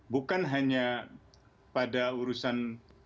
bukan hanya pada urusan